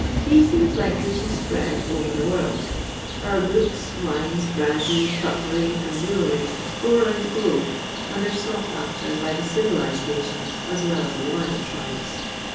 Tea seems likely to spread over the world. Our books, wines, brandy, cutlery, and jewellery, go round the globe, and are sought after by the civilized nations as well as the wild tribes.